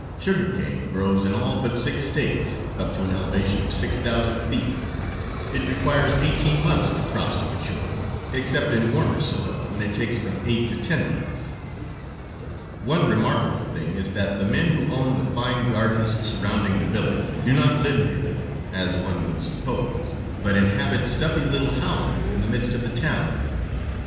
Sugar cane grows in all but six states, up to an elevation of six thousand feet. It requires eighteen months for crops to mature, except in warmer soil, when it takes from eight to ten months. One remarkable thing is, that the men who own the fine gardens surrounding the village do not live near them, as one would suppose, but inhabit stuffy little houses in the midst of the town.